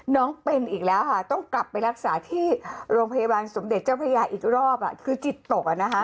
น้องเป็นอีกแล้วค่ะต้องกลับไปรักษาที่โรงพยาบาลสมเด็จเจ้าพระยาอีกรอบคือจิตตก